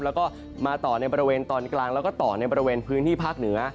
แล้วก็มาต่อในบริเวณตอนกลางแล้วก็ต่อในบริเวณพื้นที่ภาคเหนือ